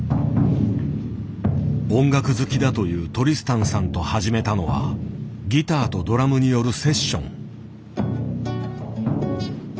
音楽好きだというトリスタンさんと始めたのはギターとドラムによるセッション。